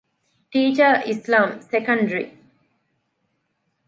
ޓީޗަރ އިސްލާމް، ސެކަންޑްރީ